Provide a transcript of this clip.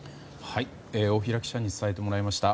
大平記者に伝えてもらいました。